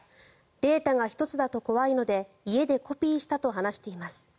データが１つだと怖いので家でコピーしたと話しています。